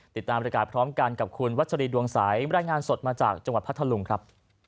ติดตามบริการพร้อมกันกับคุณวัชรีดวงสายรายงานสดมาจากจังหวัดพัทธลุงครับ